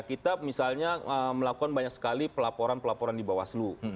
kita misalnya melakukan banyak sekali pelaporan pelaporan di bawaslu